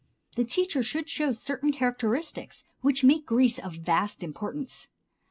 The teacher should show certain characteristics which make Greece of vast importance.